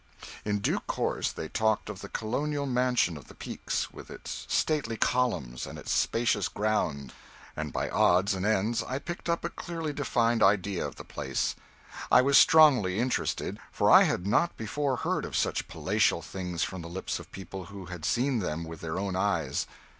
In due course they talked of the colonial mansion of the Peakes, with its stately columns and its spacious grounds, and by odds and ends I picked up a clearly defined idea of the place. I was strongly interested, for I had not before heard of such palatial things from the lips of people who had seen them with their own eyes.